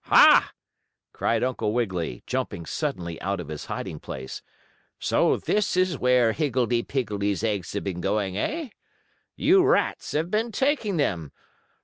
"Ha!" cried Uncle Wiggily, jumping suddenly out of his hiding place. "So this is where Higgledee Piggledee's eggs have been going, eh? You rats have been taking them.